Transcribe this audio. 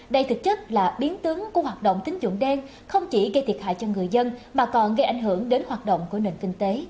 đây thực chất là biến tướng của hoạt động tính dụng đen không chỉ gây thiệt hại cho người dân mà còn gây ảnh hưởng đến hoạt động của nền kinh tế